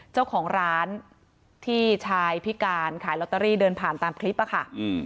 เจ้าของร้านที่ชายพิการขายลอตเตอรี่เดินผ่านตามคลิปอะค่ะ